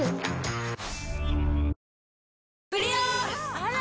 あら！